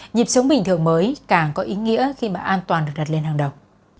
nhịp sống bình thường mới càng có ý nghĩa khi mà an toàn được đặt lên hàng đầu